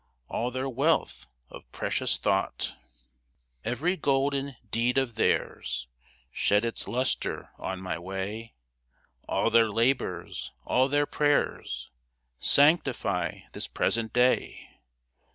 All their wealth of precious thought. HEIRSHIP 21 Every golden deed of theirs Sheds its lustre on my way ; All their labors, all their prayers, Sanctify this present day